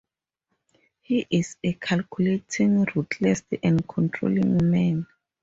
He is a calculating, ruthless, and controlling man.